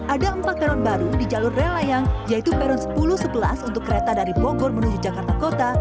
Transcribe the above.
ada empat peron baru di jalur rel layang yaitu peron sepuluh sebelas untuk kereta dari bogor menuju jakarta kota